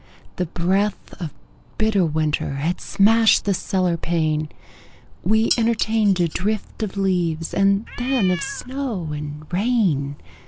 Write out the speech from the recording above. The breath of bitter weather Had smashed the cellar pane: We entertained a drift of leaves And then of snow and rain.